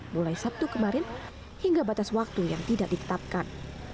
mulai sabtu kemarin hingga batas waktu yang tidak ditetapkan